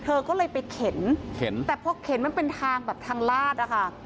เธอก็เลยไปเข็นแต่พอเข็นมันเป็นทางแบบทางลาดอะค่ะ